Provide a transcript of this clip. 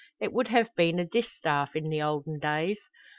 It would have been a distaff in the olden days.